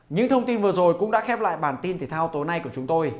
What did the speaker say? những thông tin vừa rồi cũng đã khép lại bản tin thể thao tối nay của chúng tôi